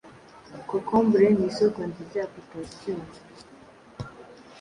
Kokombure ni isoko nziza ya potasiyumu